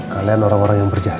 kalian orang orang yang berjaha